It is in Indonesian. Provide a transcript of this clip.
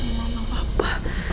aku mau ke papa